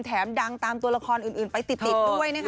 แถมดังตามตัวละครอื่นไปติดด้วยนะคะ